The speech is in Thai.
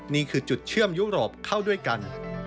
นี่คือจุดเชื่อมยุโรปเข้าด้วยกัน